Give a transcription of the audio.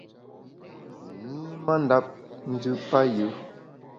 Nyi mandap njù payù.